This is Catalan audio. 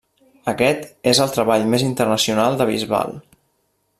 Aquest és el treball més internacional de Bisbal.